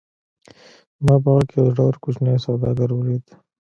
ما په هغه کې یو زړور کوچنی سوداګر ولید